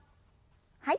はい。